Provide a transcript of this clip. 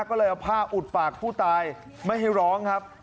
ก็เลยเอาผ้าอุดปากผู้ตายไม่ให้ร้องครับ